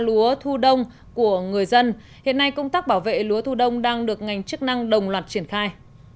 lúa thu đông của người dân hiện nay công tác bảo vệ lúa thu đông đang được ngành chức năng đồng loạt triển khai